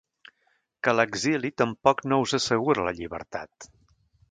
Que l’exili tampoc no us assegura la llibertat.